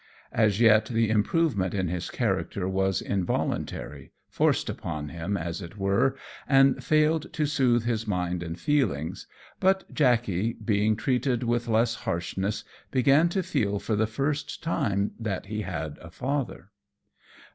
As yet the improvement in his character was involuntary, forced upon him, as it were, and failed to soothe his mind and feelings; but Jackey, being treated with less harshness, began to feel for the first time that he had a father.